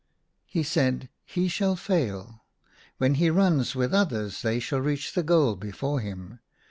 He said, " He shall fail. When he runs with others they shall reach the goal before him.